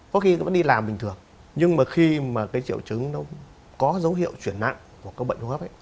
có khi vẫn đi làm bình thường nhưng khi triệu chứng có dấu hiệu chuyển nặng của bệnh hô hấp